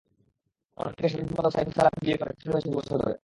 অন্যদিকে সাধারণ সম্পাদক সাইফুদ্দিন সালাম বিয়ে করে সংসারী হয়েছেন দুই বছর ধরে।